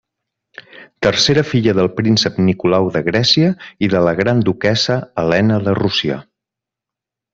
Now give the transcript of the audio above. Tercera filla del príncep Nicolau de Grècia i de la gran duquessa Helena de Rússia.